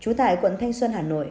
chú thái quận thanh xuân hà nội